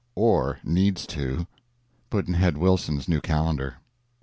Or needs to. Pudd'nhead Wilson's New Calendar.